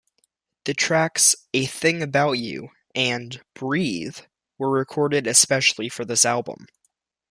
The tracks "A Thing About You" and "Breathe" were recorded especially for this album.